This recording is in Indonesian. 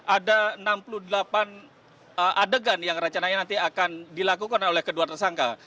ada enam puluh delapan adegan yang rencananya nanti akan dilakukan oleh kedua tersangka